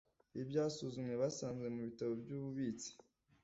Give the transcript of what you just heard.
y ibyasuzumwe basanze mu bitabo by ububitsi